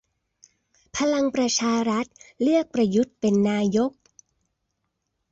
พลังประชารัฐเลือกประยุทธเป็นนายก